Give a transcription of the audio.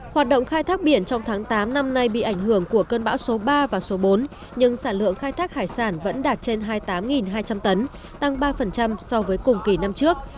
hoạt động khai thác biển trong tháng tám năm nay bị ảnh hưởng của cơn bão số ba và số bốn nhưng sản lượng khai thác hải sản vẫn đạt trên hai mươi tám hai trăm linh tấn tăng ba so với cùng kỳ năm trước